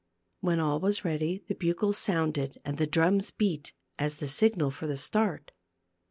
When all was ready the bugles sounded and the drums beat, as the signal for the start.